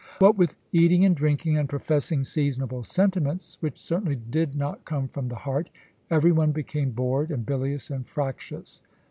What with eating and drinking, and professing seasonable sentiments which certainly did not come from the heart, everyone became bored and bilious and fractious.